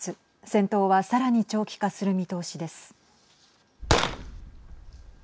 戦闘はさらに長期化する見通しです。